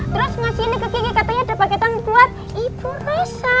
terus ngasih ini ke kiki katanya ada paketan buat ibu masa